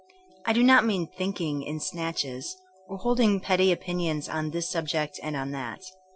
I do not mean thinking '* in snatches, or holding petty opinions on this subject and on that.